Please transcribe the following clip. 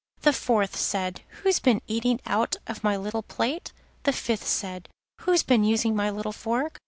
The fourth said: 'Who's been eating out of my little plate?' The fifth said: 'Who's been using my little fork?